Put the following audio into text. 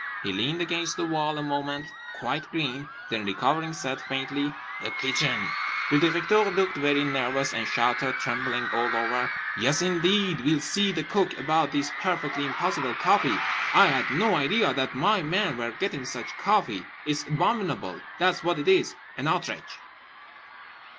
He leaned against the wall a moment, quite green; then recovering said faintly—'The Kitchen.' The Directeur looked very nervous and shouted, trembling all over, 'Yes, indeed! We'll see the cook about this perfectly impossible coffee. I had no idea that my men were getting such coffee. It's abominable! That's what it is, an outrage!